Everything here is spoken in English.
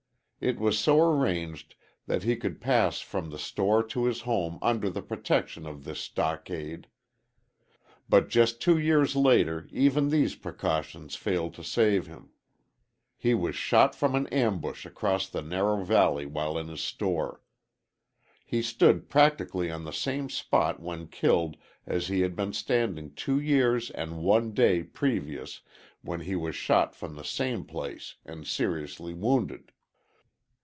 It was so arranged that he could pass from the store to his home under the protection of this stockade. But just two years later even these precautions failed to save him. He was shot from an ambush across the narrow valley while in his store. He stood practically on the same spot when killed as he had been standing two years and one day previous when he was shot from the same place and seriously wounded.